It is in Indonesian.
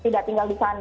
tidak tinggal di sana